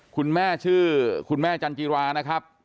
คุณแม่ชื่อคุณแม่จันจิรานะครับ